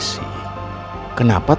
kalau memang irfan dengan jaycee